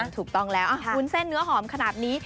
ถูกต้องแล้ววุ้นเส้นเนื้อหอมขนาดนี้